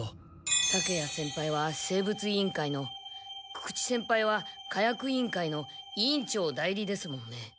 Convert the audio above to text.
竹谷先輩は生物委員会の久々知先輩は火薬委員会の委員長代理ですもんね。